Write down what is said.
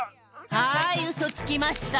はい、うそつきました。